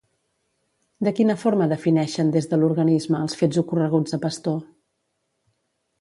De quina forma defineixen des de l'organisme els fets ocorreguts a Pastor?